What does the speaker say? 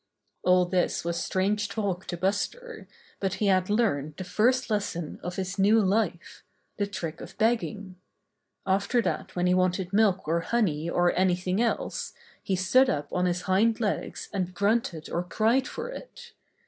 All this was strange talk to Buster, but he had learned the first lesson of his new life — the trick of begging. After that when he wanted milk or honey or anything else, he stood up on his hind legs and grunted or cried for it.